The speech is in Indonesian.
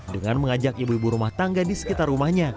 dengan mengajak ibu ibu rumah tangga di sekitar rumahnya